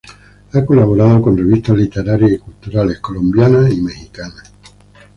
Ha colaborado con revistas literarias y culturales colombianas y mexicanas.